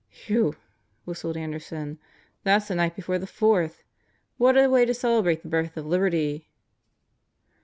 "Whew!" whistled Anderson. "That's the night before the fourth. What a way to celebrate the birth of liberty!"